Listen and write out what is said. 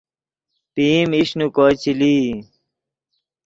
پئیم ایش نے کوئے چے لئی